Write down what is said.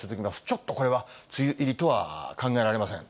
ちょっとこれは、梅雨入りとは考えられません。